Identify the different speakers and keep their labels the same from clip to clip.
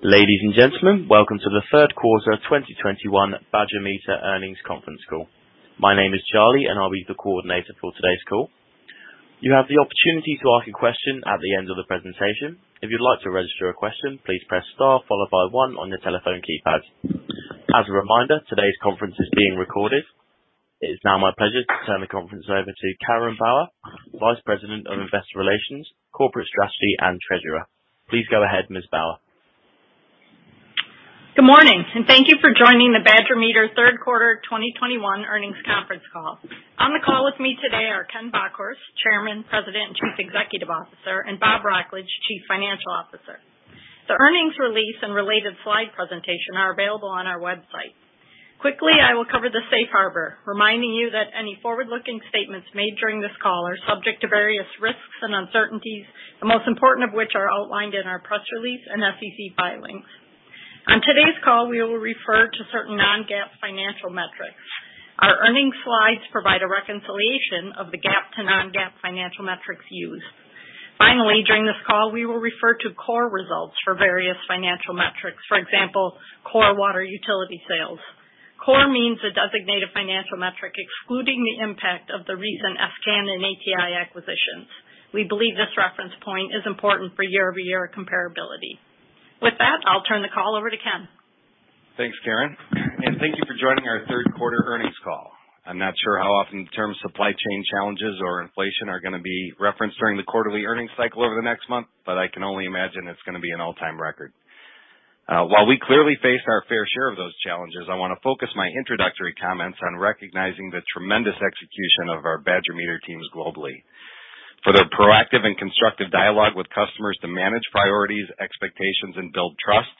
Speaker 1: Ladies and gentlemen, welcome to the third quarter 2021 Badger Meter Earnings Conference Call. My name is Charlie, and I'll be the coordinator for today's call. You have the opportunity to ask a question at the end of the presentation. If you'd like to register a question, please press star followed by 1 on your telephone keypad. As a reminder, today's conference is being recorded. It is now my pleasure to turn the conference over to Karen Bauer, Vice President of Investor Relations, Corporate Strategy, and Treasurer. Please go ahead, Ms. Bauer.
Speaker 2: Good morning, and thank you for joining the Badger Meter third quarter 2021 earnings conference call. On the call with me today are Ken Bockhorst, Chairman, President, and Chief Executive Officer, and Bob Wrocklage, Chief Financial Officer. The earnings release and related slide presentation are available on our website. Quickly, I will cover the safe harbor, reminding you that any forward-looking statements made during this call are subject to various risks and uncertainties, the most important of which are outlined in our press release and SEC filings. On today's call, we will refer to certain non-GAAP financial metrics. Our earnings slides provide a reconciliation of the GAAP to non-GAAP financial metrics used. Finally, during this call, we will refer to core results for various financial metrics, for example, core water utility sales. Core means a designated financial metric excluding the impact of the recent s::can and ATI acquisitions. We believe this reference point is important for year-over-year comparability. With that, I'll turn the call over to Ken.
Speaker 3: Thanks, Karen, and thank you for joining our third quarter earnings call. I'm not sure how often the term supply chain challenges or inflation are going to be referenced during the quarterly earnings cycle over the next month, but I can only imagine it's going to be an all-time record. While we clearly face our fair share of those challenges, I want to focus my introductory comments on recognizing the tremendous execution of our Badger Meter teams globally for their proactive and constructive dialogue with customers to manage priorities, expectations, and build trust.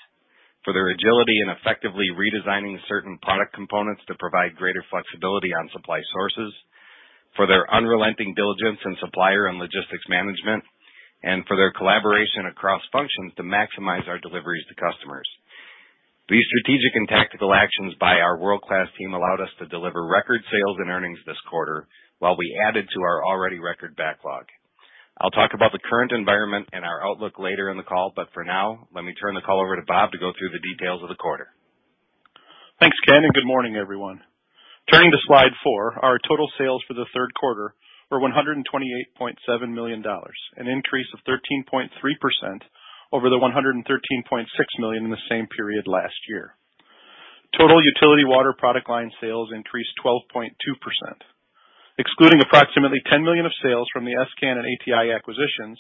Speaker 3: For their agility in effectively redesigning certain product components to provide greater flexibility on supply sources. For their unrelenting diligence in supplier and logistics management, and for their collaboration across functions to maximize our deliveries to customers. These strategic and tactical actions by our world-class team allowed us to deliver record sales and earnings this quarter while we added to our already record backlog. I'll talk about the current environment and our outlook later in the call. For now, let me turn the call over to Bob to go through the details of the quarter.
Speaker 4: Thanks, Ken. Good morning, everyone. Turning to slide four, our total sales for the third quarter were $128.7 million, an increase of 13.3% over the $113.6 million in the same period last year. Total utility water product line sales increased 12.2%. Excluding approximately $10 million of sales from the s::can and ATI acquisitions,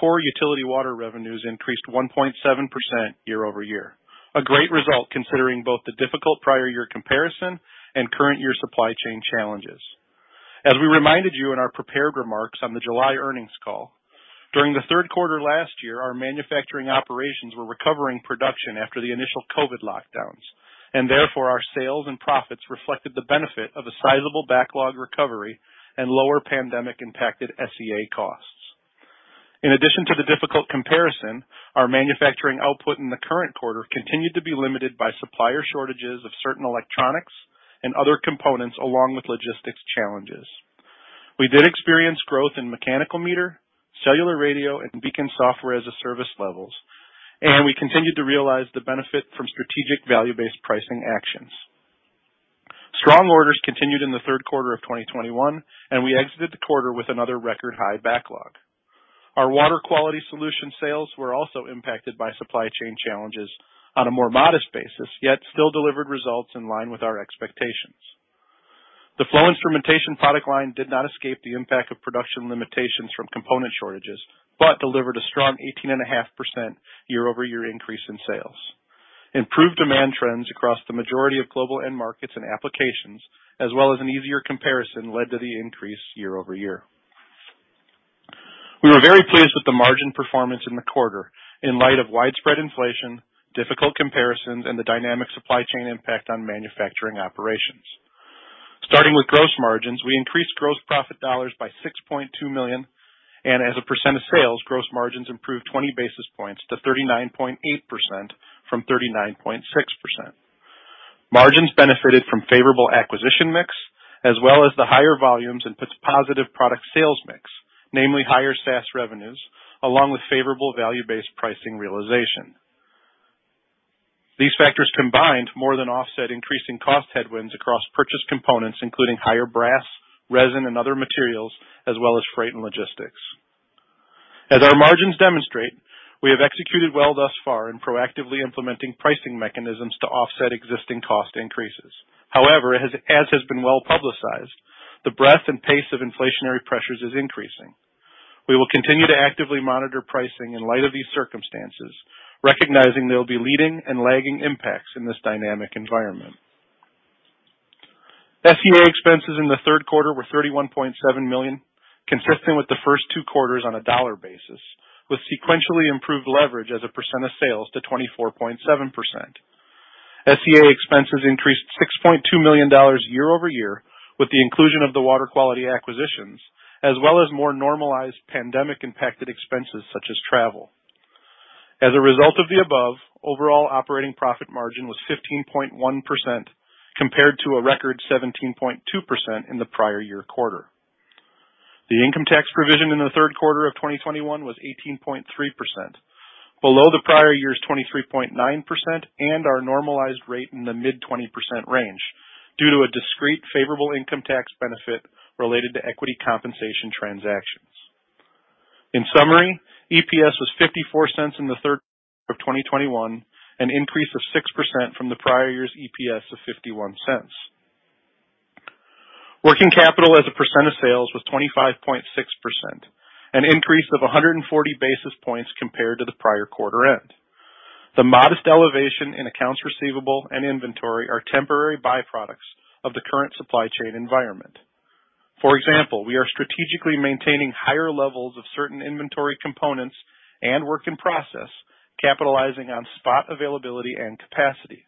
Speaker 4: core utility water revenues increased 1.7% year-over-year. A great result considering both the difficult prior year comparison and current year supply chain challenges. As we reminded you in our prepared remarks on the July earnings call, during the third quarter last year, our manufacturing operations were recovering production after the initial COVID lockdowns, therefore, our sales and profits reflected the benefit of a sizable backlog recovery and lower pandemic-impacted SE&A costs. In addition to the difficult comparison, our manufacturing output in the current quarter continued to be limited by supplier shortages of certain electronics and other components, along with logistics challenges. We did experience growth in mechanical meter, cellular radio, and BEACON software as a service levels, and we continued to realize the benefit from strategic value-based pricing actions. Strong orders continued in the third quarter of 2021, and we exited the quarter with another record-high backlog. Our water quality solution sales were also impacted by supply chain challenges on a more modest basis, yet still delivered results in line with our expectations. The flow instrumentation product line did not escape the impact of production limitations from component shortages, but delivered a strong 18.5% year-over-year increase in sales. Improved demand trends across the majority of global end markets and applications, as well as an easier comparison led to the increase year-over-year. We were very pleased with the margin performance in the quarter in light of widespread inflation, difficult comparisons, and the dynamic supply chain impact on manufacturing operations. Starting with gross margins, we increased gross profit dollars by $6.2 million, and as a percent of sales, gross margins improved 20 basis points to 39.8% from 39.6%. Margins benefited from favorable acquisition mix as well as the higher volumes and positive product sales mix, namely higher SaaS revenues along with favorable value-based pricing realization. These factors combined more than offset increasing cost headwinds across purchase components, including higher brass, resin, and other materials, as well as freight and logistics. As our margins demonstrate, we have executed well thus far in proactively implementing pricing mechanisms to offset existing cost increases. However, as has been well-publicized, the breadth and pace of inflationary pressures is increasing. We will continue to actively monitor pricing in light of these circumstances, recognizing there will be leading and lagging impacts in this dynamic environment. SE&A expenses in the third quarter were $31.7 million, consistent with the first two quarters on a dollar basis, with sequentially improved leverage as a percent of sales to 24.7%. SE&A expenses increased $6.2 million year-over-year, with the inclusion of the water quality acquisitions, as well as more normalized pandemic impacted expenses such as travel. As a result of the above, overall operating profit margin was 15.1% compared to a record 17.2% in the prior year quarter. The income tax provision in the third quarter of 2021 was 18.3%, below the prior year's 23.9% and our normalized rate in the mid-20% range, due to a discrete favorable income tax benefit related to equity compensation transactions. In summary, EPS was $0.54 in the third of 2021, an increase of 6% from the prior year's EPS of $0.51. Working capital as a % of sales was 25.6%, an increase of 140 basis points compared to the prior quarter end. The modest elevation in accounts receivable and inventory are temporary byproducts of the current supply chain environment. For example, we are strategically maintaining higher levels of certain inventory components and work in process, capitalizing on spot availability and capacity.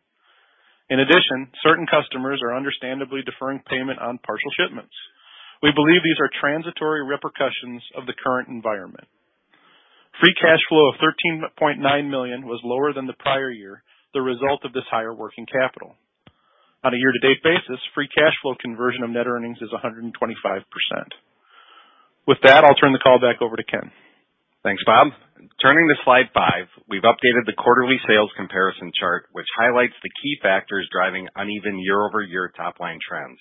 Speaker 4: In addition, certain customers are understandably deferring payment on partial shipments. We believe these are transitory repercussions of the current environment. Free cash flow of $13.9 million was lower than the prior year, the result of this higher working capital. On a year-to-date basis, free cash flow conversion of net earnings is 125%. With that, I'll turn the call back over to Ken.
Speaker 3: Thanks, Bob. Turning to slide five, we've updated the quarterly sales comparison chart, which highlights the key factors driving uneven year-over-year top-line trends.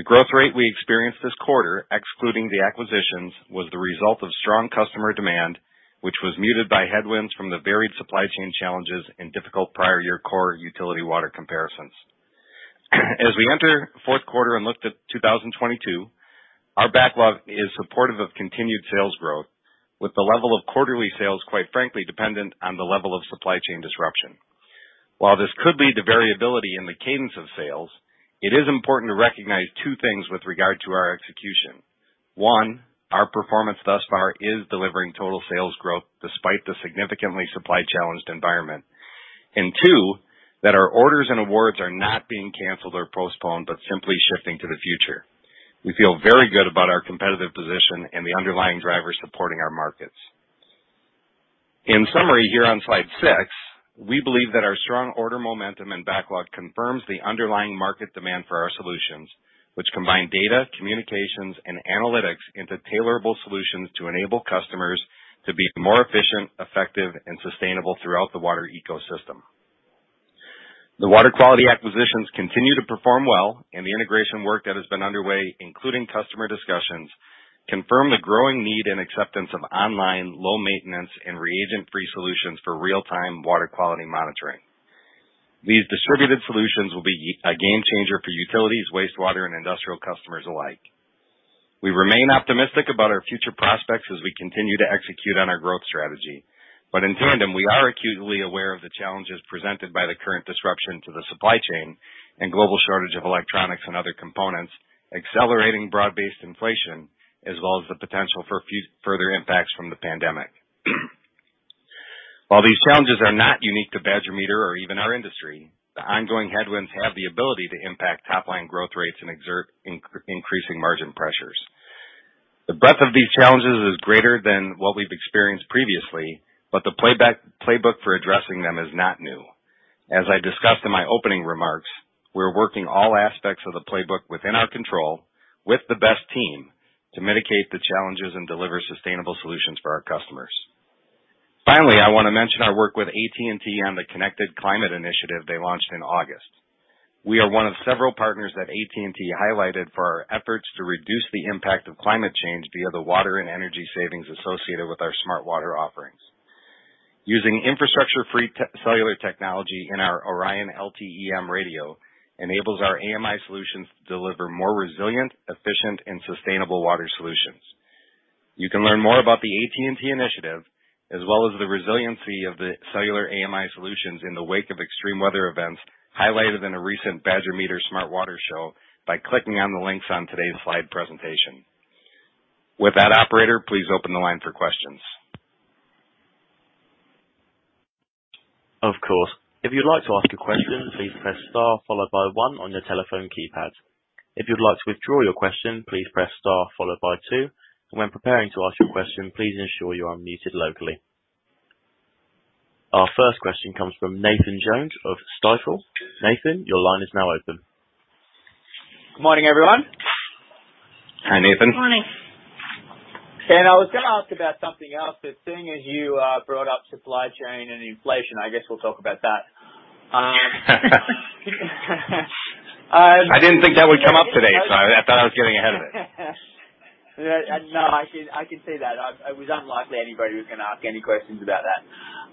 Speaker 3: The growth rate we experienced this quarter, excluding the acquisitions, was the result of strong customer demand, which was muted by headwinds from the varied supply chain challenges and difficult prior year core utility water comparisons. As we enter fourth quarter and look to 2022, our backlog is supportive of continued sales growth, with the level of quarterly sales, quite frankly, dependent on the level of supply chain disruption. While this could lead to variability in the cadence of sales, it is important to recognize 2 things with regard to our execution. 1, our performance thus far is delivering total sales growth despite the significantly supply-challenged environment. 2, that our orders and awards are not being canceled or postponed, but simply shifting to the future. We feel very good about our competitive position and the underlying drivers supporting our markets. In summary, here on slide six, we believe that our strong order momentum and backlog confirms the underlying market demand for our solutions, which combine data, communications, and analytics into tailorable solutions to enable customers to be more efficient, effective, and sustainable throughout the water ecosystem. The water quality acquisitions continue to perform well, and the integration work that has been underway, including customer discussions, confirm the growing need and acceptance of online low-maintenance and reagent-free solutions for real-time water quality monitoring. These distributed solutions will be a game changer for utilities, wastewater, and industrial customers alike. We remain optimistic about our future prospects as we continue to execute on our growth strategy. In tandem, we are acutely aware of the challenges presented by the current disruption to the supply chain and global shortage of electronics and other components, accelerating broad-based inflation, as well as the potential for further impacts from the pandemic. While these challenges are not unique to Badger Meter or even our industry, the ongoing headwinds have the ability to impact top-line growth rates and exert increasing margin pressures. The breadth of these challenges is greater than what we've experienced previously. The playbook for addressing them is not new. As I discussed in my opening remarks, we're working all aspects of the playbook within our control, with the best team, to mitigate the challenges and deliver sustainable solutions for our customers. Finally, I want to mention our work with AT&T on the Connected Climate Initiative they launched in August. We are one of several partners that AT&T highlighted for our efforts to reduce the impact of climate change via the water and energy savings associated with our Smart Water offerings. Using infrastructure-free cellular technology in our ORION LTE-M radio enables our AMI solutions to deliver more resilient, efficient, and sustainable water solutions. You can learn more about the AT&T initiative, as well as the resiliency of the cellular AMI solutions in the wake of extreme weather events highlighted in a recent Badger Meter Smart Water show by clicking on the links on today's slide presentation. With that, operator, please open the line for questions.
Speaker 1: Our first question comes from Nathan Jones of Stifel. Nathan, your line is now open.
Speaker 5: Good morning, everyone.
Speaker 3: Hi, Nathan.
Speaker 4: Morning.
Speaker 5: Ken, I was going to ask about something else, but seeing as you brought up supply chain and inflation, I guess we'll talk about that.
Speaker 3: I didn't think that would come up today. I thought I was getting ahead of it.
Speaker 5: No, I can see that. It was unlikely anybody was going to ask any questions about that.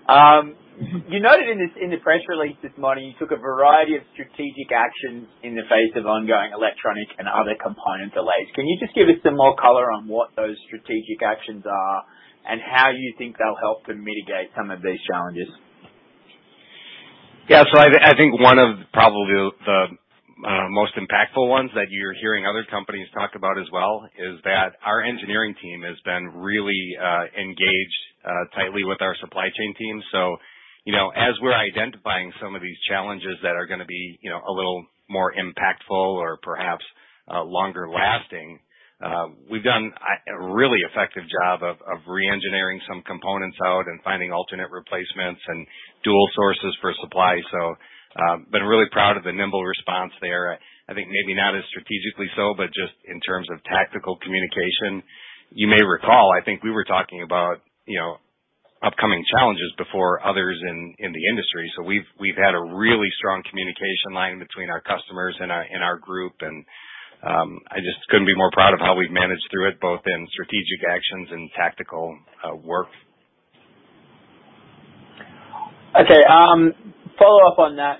Speaker 5: You noted in the press release this morning, you took a variety of strategic actions in the face of ongoing electronic and other component delays. Can you just give us some more color on what those strategic actions are and how you think they'll help to mitigate some of these challenges?
Speaker 3: I think one of probably the most impactful ones that you're hearing other companies talk about as well is that our engineering team has been really engaged tightly with our supply chain team. As we're identifying some of these challenges that are going to be a little more impactful or perhaps longer lasting, we've done a really effective job of re-engineering some components out and finding alternate replacements and dual sources for supply. Been really proud of the nimble response there. I think maybe not as strategically so, but just in terms of tactical communication. You may recall, I think we were talking about upcoming challenges before others in the industry. We've had a really strong communication line between our customers and our group, and I just couldn't be more proud of how we've managed through it, both in strategic actions and tactical work.
Speaker 5: Okay. Follow-up on that.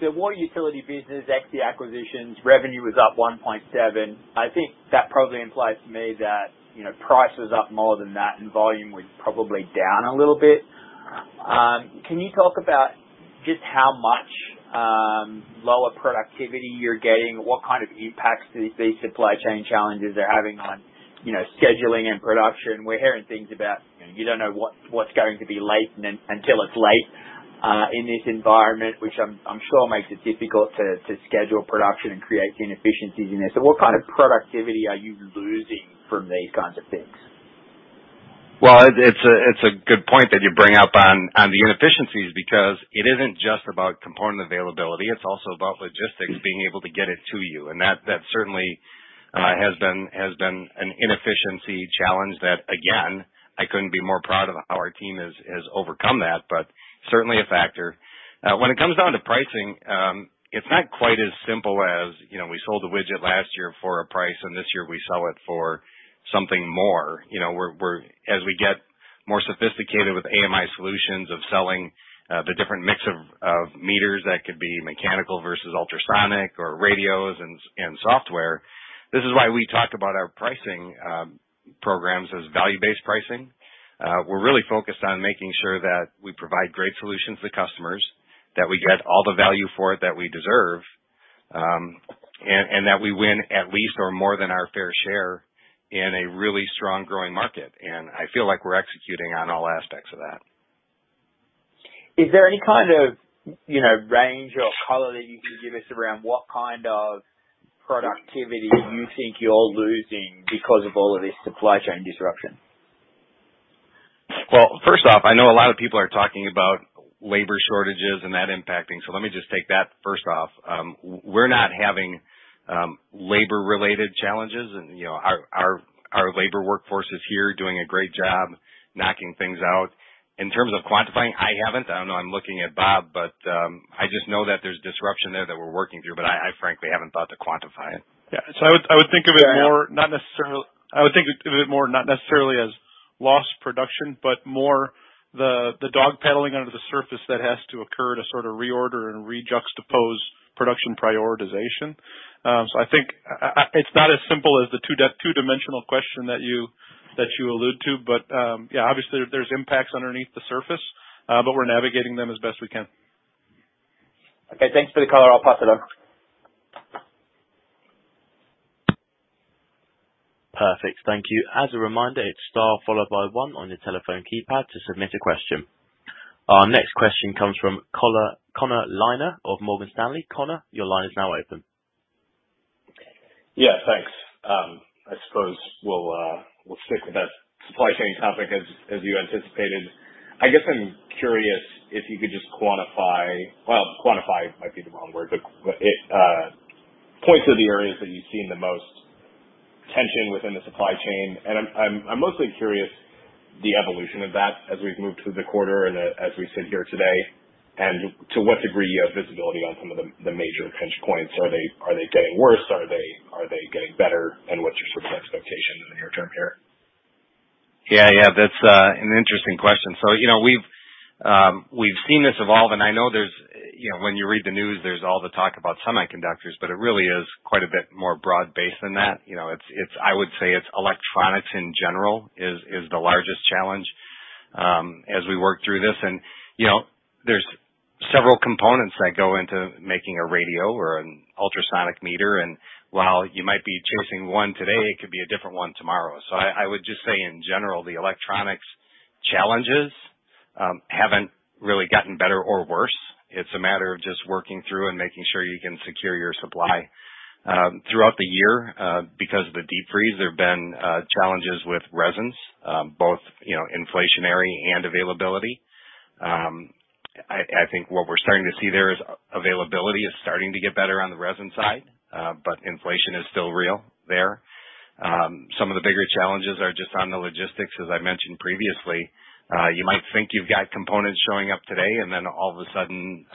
Speaker 5: The water utility business, ex the acquisitions, revenue was up 1.7. I think that probably implies to me that price was up more than that and volume was probably down a little bit. Can you talk about just how much lower productivity you're getting? What kind of impacts these supply chain challenges are having on scheduling and production? We're hearing things about you don't know what's going to be late until it's late, in this environment, which I'm sure makes it difficult to schedule production and creates inefficiencies in there. What kind of productivity are you losing from these kinds of things?
Speaker 3: Well, it's a good point that you bring up on the inefficiencies, because it isn't just about component availability, it's also about logistics, being able to get it to you. That certainly has been an inefficiency challenge that, again, I couldn't be more proud of how our team has overcome that. Certainly a factor. When it comes down to pricing, it's not quite as simple as, we sold a widget last year for a price, and this year we sell it for something more. As we get more sophisticated with AMI solutions of selling the different mix of meters that could be mechanical versus ultrasonic or radios and software. This is why we talked about our pricing programs as value-based pricing. We're really focused on making sure that we provide great solutions to customers, that we get all the value for it that we deserve, and that we win at least or more than our fair share in a really strong growing market. I feel like we're executing on all aspects of that.
Speaker 5: Is there any kind of range or color that you can give us around what kind of productivity you think you're losing because of all of this supply chain disruption?
Speaker 3: Well, first off, I know a lot of people are talking about labor shortages and that impacting. Let me just take that first off. We're not having labor-related challenges. Our labor workforce is here doing a great job knocking things out. In terms of quantifying, I haven't. I don't know, I'm looking at Bob, but I just know that there's disruption there that we're working through. I frankly haven't thought to quantify it.
Speaker 4: Yeah. I would think of it more not necessarily as lost production, but more the dog paddling under the surface that has to occur to sort of reorder and rejuxtapose production prioritization. I think it's not as simple as the two-dimensional question that you allude to. Yeah, obviously there's impacts underneath the surface, but we're navigating them as best we can.
Speaker 5: Okay, thanks for the color. I will pass it on.
Speaker 1: Perfect. Thank you. As a reminder, it's star followed by one on your telephone keypad to submit a question. Our next question comes from Connor Lavecchia of Morgan Stanley. Connor, your line is now open.
Speaker 6: Yeah, thanks. I suppose we'll stick with that supply chain topic, as you anticipated. I guess I'm curious if you could just quantify, well, quantify might be the wrong word, but point to the areas that you've seen the most tension within the supply chain. I'm mostly curious the evolution of that as we've moved through the quarter and as we sit here today, and to what degree you have visibility on some of the major pinch points. Are they getting worse? Are they getting better? What's your sort of expectation in the near- term here?
Speaker 3: Yeah. That's an interesting question. We've seen this evolve, and I know when you read the news, there's all the talk about semiconductors, but it really is quite a bit more broad-based than that. I would say it's electronics in general is the largest challenge as we work through this. There's several components that go into making a radio or an ultrasonic meter, and while you might be chasing one today, it could be a different one tomorrow. I would just say, in general, the electronics challenges haven't really gotten better or worse. It's a matter of just working through and making sure you can secure your supply. Throughout the year, because of the deep freeze, there have been challenges with resins, both inflationary and availability. I think what we're starting to see there is availability is starting to get better on the resin side. Inflation is still real there. Some of the bigger challenges are just on the logistics, as I mentioned previously. You might think you've got components showing up today and then all of a sudden,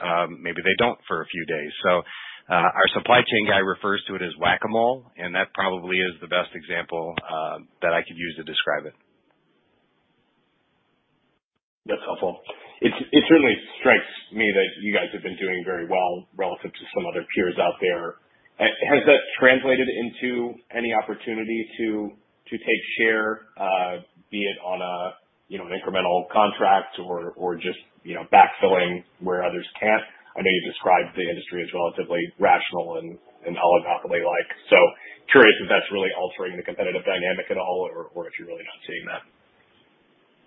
Speaker 3: maybe they don't for a few days. Our supply chain guy refers to it as Whac-A-Mole, and that probably is the best example that I could use to describe it.
Speaker 6: That's helpful. It certainly strikes me that you guys have been doing very well relative to some other peers out there. Has that translated into any opportunity to take share, be it on an incremental contract or just backfilling where others can't? I know you described the industry as relatively rational and oligopoly like. Curious if that's really altering the competitive dynamic at all or if you're really not seeing that.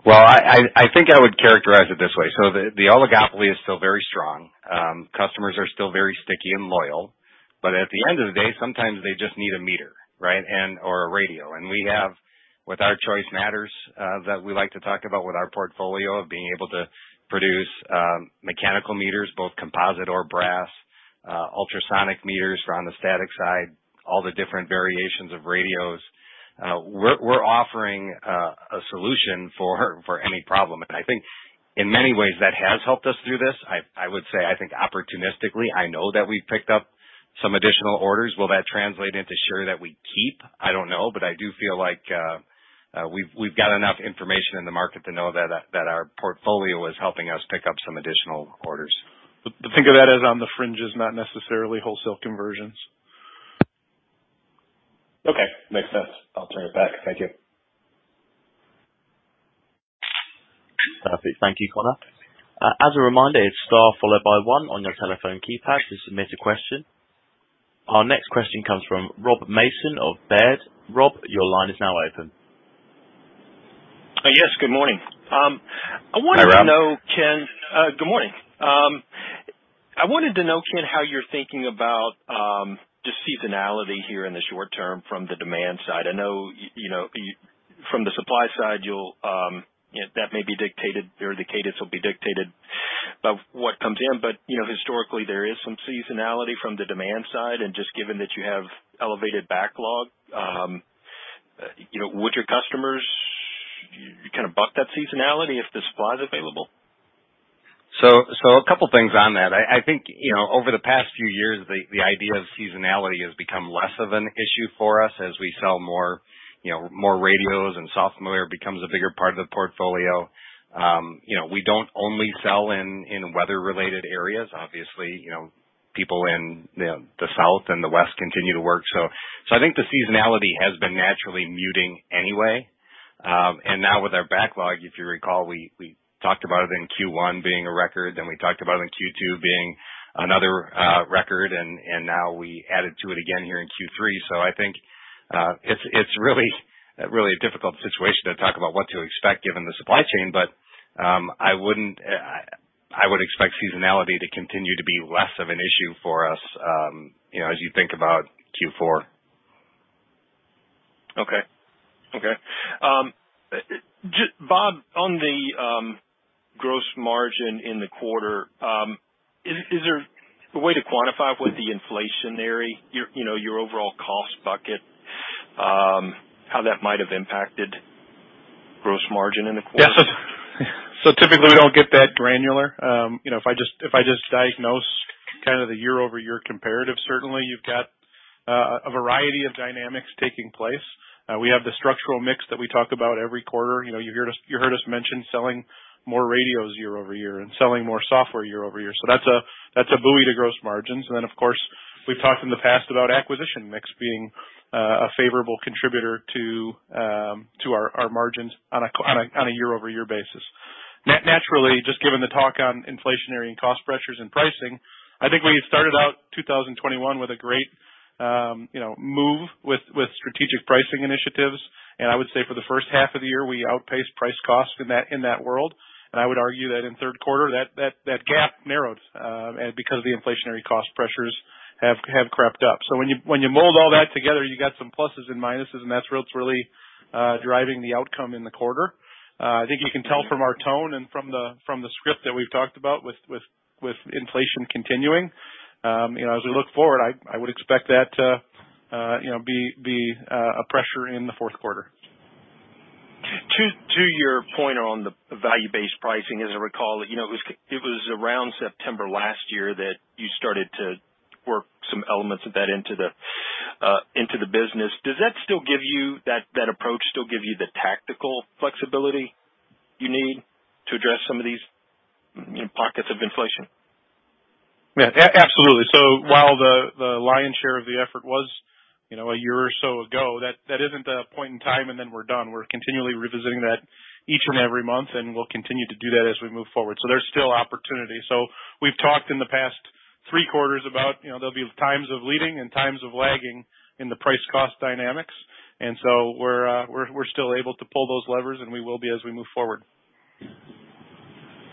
Speaker 3: Well, I think I would characterize it this way. The oligopoly is still very strong. Customers are still very sticky and loyal. At the end of the day, sometimes they just need a meter, right? A radio. We have, with our Choice Matters that we like to talk about with our portfolio of being able to produce mechanical meters, both composite or brass, ultrasonic meters for on the static side, all the different variations of radios. We're offering a solution for any problem. I think in many ways, that has helped us through this. I would say, I think opportunistically, I know that we've picked up some additional orders. Will that translate into share that we keep? I don't know. I do feel like we've got enough information in the market to know that our portfolio is helping us pick up some additional orders.
Speaker 4: Think of that as on the fringes, not necessarily wholesale conversions.
Speaker 6: Okay. Makes sense. I'll turn it back. Thank you.
Speaker 1: Perfect. Thank you, Connor. As a reminder, it's star followed by 1 on your telephone keypad to submit a question. Our next question comes from Rob Mason of Baird. Rob, your line is now open.
Speaker 7: Yes, good morning.
Speaker 3: Hi, Rob.
Speaker 7: Good morning. I wanted to know, Ken, how you're thinking about just seasonality here in the short- term from the demand side. I know from the supply side, that may be dictated or the cadence will be dictated by what comes in. Historically, there is some seasonality from the demand side, and just given that you have elevated backlog, would your customers kind of buck that seasonality if the supply's available?
Speaker 3: A 2 things on that. I think over the past few years, the idea of seasonality has become less of an issue for us as we sell more radios and software becomes a bigger part of the portfolio. We don't only sell in weather-related areas. Obviously, people in the South and the West continue to work. I think the seasonality has been naturally muting anyway. Now with our backlog, if you recall, we talked about it in Q1 being a record, we talked about it in Q2 being another record, now we added to it again here in Q3. I think it's really a difficult situation to talk about what to expect given the supply chain. I would expect seasonality to continue to be less of an issue for us as you think about Q4.
Speaker 7: Okay. Bob, on the gross margin in the quarter, is there a way to quantify with the inflationary, your overall cost bucket, how that might have impacted gross margin in the quarter?
Speaker 4: Typically we don't get that granular. If I just diagnose kind of the year-over-year comparative, certainly you've got a variety of dynamics taking place. We have the structural mix that we talk about every quarter. You heard us mention selling more radios year-over-year and selling more software year-over-year. That's a buoy to gross margins. Of course, we've talked in the past about acquisition mix being a favorable contributor to our margins on a year-over-year basis. Naturally, just given the talk on inflationary and cost pressures and pricing, I think we started out 2021 with a great move with strategic pricing initiatives. I would say for the first half of the year, we outpaced price cost in that world. I would argue that in third quarter, that gap narrowed because the inflationary cost pressures have crept up. When you mold all that together, you got some pluses and minuses, and that's what's really driving the outcome in the quarter. I think you can tell from our tone and from the script that we've talked about with inflation continuing. As we look forward, I would expect that to be a pressure in the fourth quarter.
Speaker 7: To your point on the value-based pricing, as I recall, it was around September last year that you started to work some elements of that into the business. Does that approach still give you the tactical flexibility you need to address some of these pockets of inflation?
Speaker 4: Yeah, absolutely. While the lion's share of the effort was a year or so ago, that isn't a point in time and then we're done. We're continually revisiting that each and every month, and we'll continue to do that as we move forward. There's still opportunity. We've talked in the past three quarters about there'll be times of leading and times of lagging in the price cost dynamics. We're still able to pull those levers, and we will be as we move forward.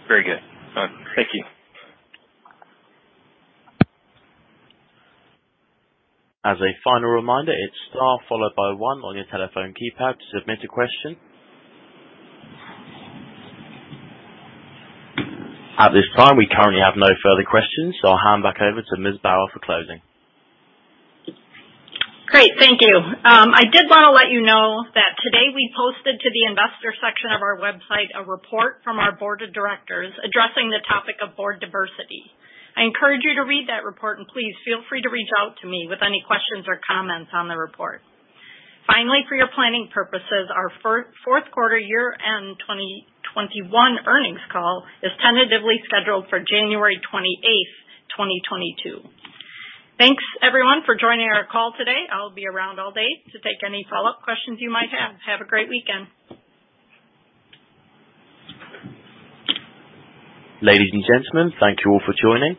Speaker 7: Very good. Thank you.
Speaker 1: As a final reminder, it's star followed by one on your telephone keypad to submit a question. At this time, we currently have no further questions, so I'll hand back over to Ms. Bauer for closing.
Speaker 2: Great. Thank you. I did want to let you know that today we posted to the investor section of our website a report from our board of directors addressing the topic of board diversity. I encourage you to read that report, and please feel free to reach out to me with any questions or comments on the report. Finally, for your planning purposes, our fourth quarter year-end 2021 earnings call is tentatively scheduled for January 28th, 2022. Thanks everyone for joining our call today. I'll be around all day to take any follow-up questions you might have. Have a great weekend.
Speaker 1: Ladies and gentlemen, thank you all for joining.